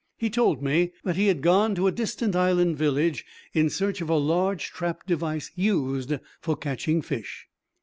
He told me that he had gone to a distant island village in search of a large trap device used for catching fish.